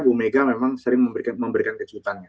bu mega memang sering memberikan kejutannya